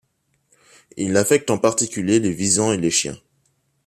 Il affecte en particulier les visons et les chiens.